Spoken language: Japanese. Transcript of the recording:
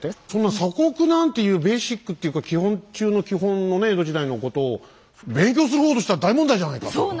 そんな鎖国なんていうベーシックっていうか基本中の基本のね江戸時代のことを勉強する方としては大問題じゃないか！